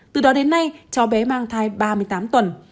từ đó đến nay cháu bé mang thai ba mươi tám tuần